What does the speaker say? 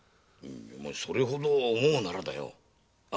それほど思うならよな